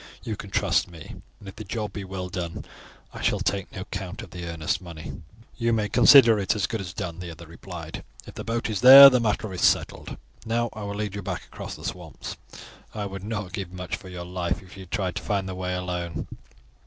You can trust me, and if the job be well done I shall take no count of the earnest money. "You may consider it as good as done," the other replied. "If the boat is there the matter is settled. Now I will lead you back across the swamps. I would not give much for your life if you tried to find the way alone.